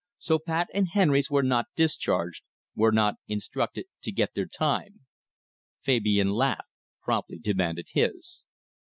So Pat and Henrys were not discharged were not instructed to "get their time." Fabian Laveque promptly demanded his.